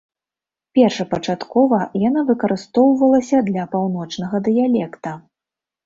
Першапачаткова яна выкарыстоўвалася для паўночнага дыялекта.